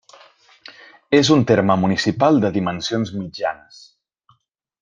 És un terme municipal de dimensions mitjanes.